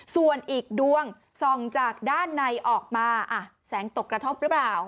ส่วนอีกดวงส่องจากด้านในออกมาแสงตกกระทบหรือเปล่า